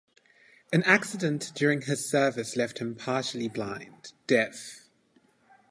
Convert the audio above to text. An accident during his service left him partially deaf.